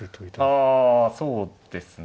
あそうですね。